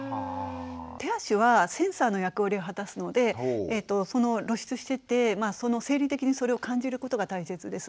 手足はセンサーの役割を果たすので露出してて生理的にそれを感じることが大切です。